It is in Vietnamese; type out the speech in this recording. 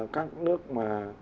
các nước mà